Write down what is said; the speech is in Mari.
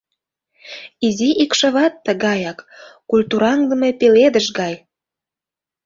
Изи икшыват тыгаяк, культураҥдыме пеледыш гай.